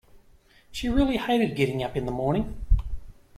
She really hated getting up in the morning